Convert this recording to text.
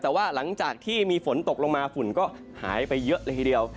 แต่ว่าหลังจากที่มีฝนตกลงมาฝุ่นก็หายไปเยอะเลยทีเดียว